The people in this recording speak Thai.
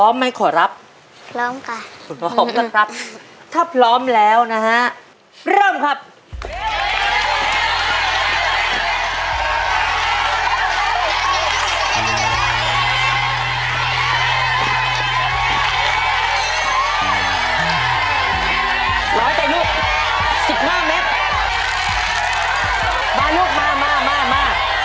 เดินไปเร่งให้แล้วนะลูกน้า